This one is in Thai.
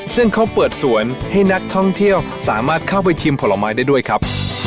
ซึ่งเขาเปิดสวนให้นักท่องเที่ยวสามารถเข้าไปชิมผลไม้ได้ด้วยครับ